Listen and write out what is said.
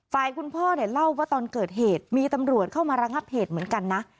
ฝ่ายคุณพ่อเนี่ยเล่าว่าตอนเกิดเหตุมีตำรวจเข้ามาระงับเหตุเหมือนกันนะ